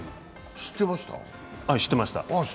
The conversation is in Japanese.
知ってました。